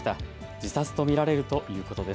自殺と見られるということです。